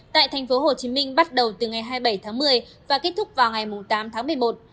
tại tp hcm bắt đầu từ ngày hai mươi bảy tháng một mươi và kết thúc vào ngày tám tháng một mươi một